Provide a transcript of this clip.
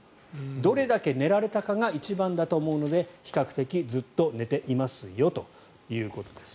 どれだけ寝られたかが一番だと思うので比較的ずっと寝ていますよということです。